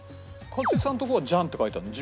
一茂さんのところはジャンって書いてあるの？